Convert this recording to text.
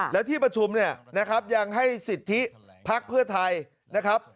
และที่ประชุมเนี่ยนะครับยังให้สิทธิพักเพื่อไทยนะครับ